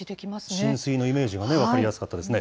浸水のイメージが分かりやすかったですね。